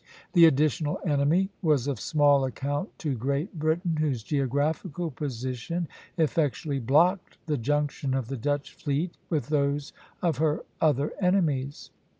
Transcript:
The additional enemy was of small account to Great Britain, whose geographical position effectually blocked the junction of the Dutch fleet with those of her other enemies.